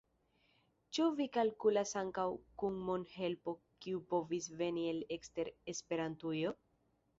Ĉu vi kalkulas ankaŭ kun mon-helpo kiu povus veni el ekster Esperantujo?